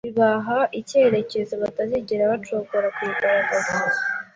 bibaha icyizereko batazigera bacogora kuyigaragaza